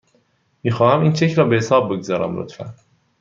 میخواهم این چک را به حساب بگذارم، لطفاً.